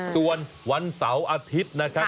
ส่วนวันเสาร์อาทิตย์นะครับ